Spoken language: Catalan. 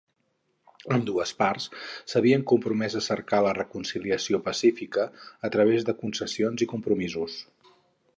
Ambdues parts s'havien compromès a cercar la reconciliació pacífica a través de concessions i compromisos.